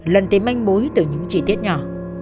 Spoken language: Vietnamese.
lần tới manh bối từ những trí tiết nhỏ